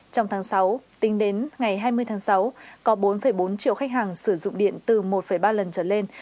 trong tháng sáu tính đến ngày hai mươi tháng sáu có bốn bốn triệu khách hàng sử dụng điện từ một ba lần trở lên